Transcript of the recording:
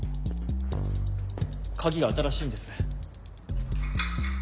鍵が新しいんです。